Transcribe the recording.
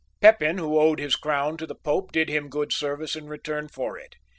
Pepin, who owed his crown to the Pope, did him good service in return for it.